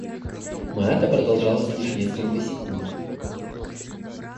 Но это продолжалось лишь несколько секунд.